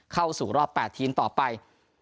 เข้าสู่รอบ๘ทีมต่อไป